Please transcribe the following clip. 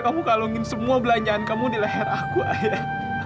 kamu kalungin semua belanjaan kamu di leher aku aja